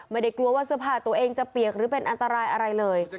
ไม่ได้กลัวว่าเสื้อผ้าตัวเองจะเปียกหรือเป็นอันตรายอะไรเลย